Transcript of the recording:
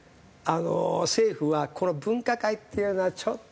政府はこの分科会っていうのはちょっと。